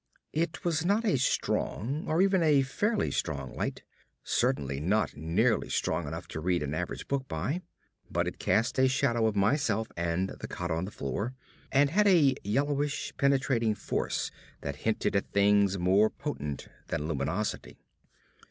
It was not a strong or even a fairly strong light; certainly not nearly strong enough to read an average book by. But it cast a shadow of myself and the cot on the floor, and had a yellowish, penetrating force that hinted at things more potent than luminosity.